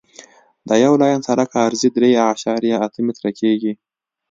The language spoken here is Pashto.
د یو لاین سرک عرض درې اعشاریه اته متره کیږي